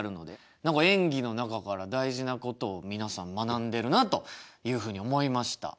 何か演技の中から大事なことを皆さん学んでるなというふうに思いました。